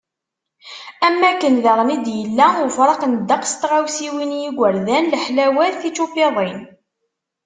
Am wakken daɣen i d-yella ufraq n ddeqs n tɣawsiwin i yigerdan, leḥlawat, tičupiḍin.